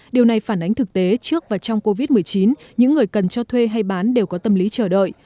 điều này phản ánh thực tế trước và trong covid một mươi chín những người cần cho thuê hay bán đều có tâm lý chờ đợi